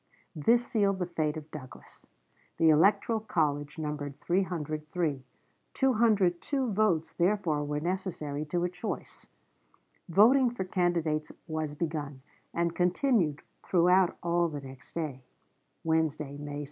This sealed the fate of Douglas. The Electoral College numbered 303; 202 votes therefore were necessary to a choice. Voting for candidates was begun, and continued throughout all the next day (Wednesday, May 2).